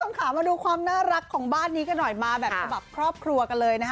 ส่งขามาดูความน่ารักของบ้านนี้กันหน่อยมาแบบสมบัติครอบครัวกันเลยนะฮะ